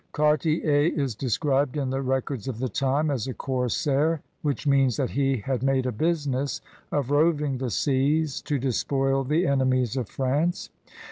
Cartier is described in the records of the time as a corsair — ^which means that he had made a business of roving the seas to despoil the enemies of France.